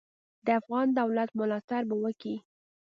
د افغان دولت ملاتړ به وکي.